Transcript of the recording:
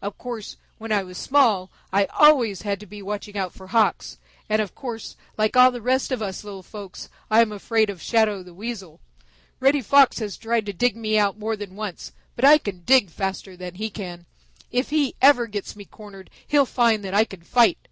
Of course, when I was small I always had to be watching out for Hawks, and of course, like all the rest of us little folks, I am afraid of Shadow the Weasel. Reddy Fox has tried to dig me out more than once, but I can dig faster than he can. If he ever gets me cornered, he'll find that I can fight.